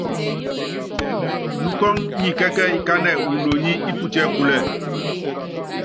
Nukɔ́ŋ nyi kɛ́kɛ́yí kánɛ wu inoní íputíɛ́púlɛ.